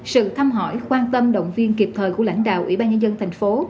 sự thăm hỏi quan tâm động viên kịp thời của lãnh đạo ủy ban nhân dân thành phố